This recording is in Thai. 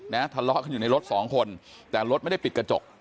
ทะเลาะกันอยู่ในรถสองคนแต่รถไม่ได้ปิดกระจก